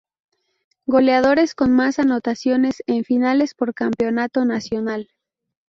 Goleadores con más anotaciones en finales por Campeonato Nacional.